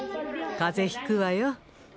風邪ひくわよ。